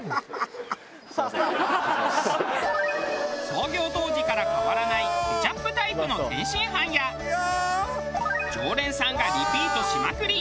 創業当時から変わらないケチャップタイプの天津飯や常連さんがリピートしまくり